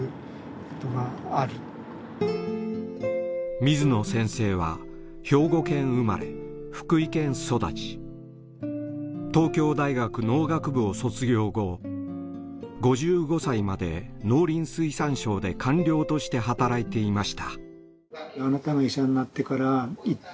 水野先生は東京大学農学部を卒業後５５歳まで農林水産省で官僚として働いていました。